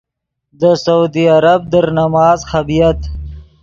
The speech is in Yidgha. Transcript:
دے سعودی عرب در نماز خبییت۔